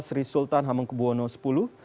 sri sultan hamengkubwono x